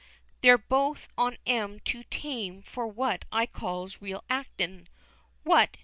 They're both on 'em too tame for what I calls real actin'. What!